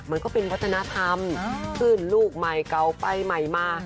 มันก็เป็นวัฒนธรรมขึ้นลูกใหม่เก่าไปใหม่มา